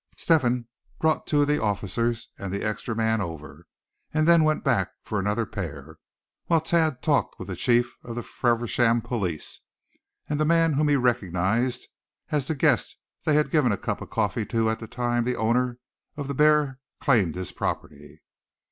Step hen brought two of the officers, and the extra man over, and then went back for another pair, while Thad talked with the Chief of the Faversham police, and the man whom he recognized as the guest they had given a cup of coffee to at the time the owner of the bear claimed his property.